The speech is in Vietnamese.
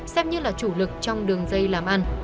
xem như là chủ lực trong đường dây làm ăn